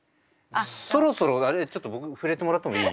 そろそろちょっと僕触れてもらってもいい？